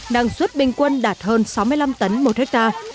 năng suất bình quân đạt hơn sáu mươi năm tấn một hectare